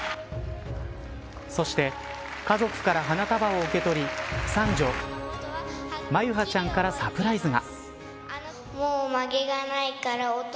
そして家族から花束を受け取り三女眞結羽ちゃんからサプライズが。